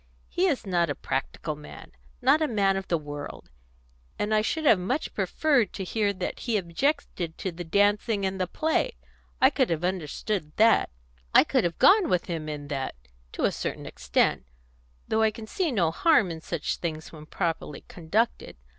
He is not a practical man not a man of the world; and I should have much preferred to hear that he objected to the dancing and the play; I could have understood that; I could have gone with him in that to a certain extent, though I can see no harm in such things when properly conducted.